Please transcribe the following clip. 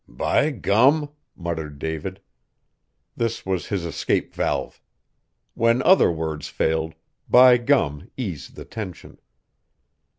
"By gum!" muttered David. This was his escape valve. When other words failed, "by gum" eased the tension.